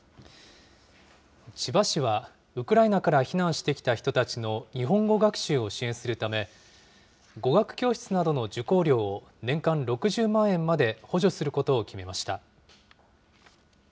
千葉市はウクライナから避難してきた人たちの日本語学習を支援するため、語学教室などの受講料を、年間６０万円まで補助することを決めました。